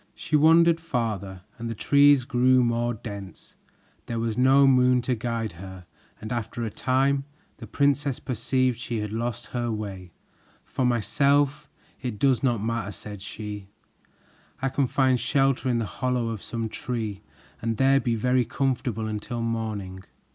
She wandered farther, and the trees grew more dense. There was no moon to guide her, and after a time, the princess perceived she had lost her way. "For myself, it does not matter," said she, "I can find shelter in the hollow of some tree and there be very comfortable until morning."